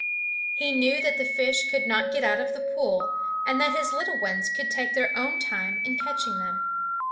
He knew that the fish could not get out of the pool, and that his little ones could take their own time in catching them.